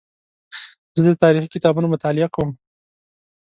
زه د تاریخي کتابونو مطالعه کوم.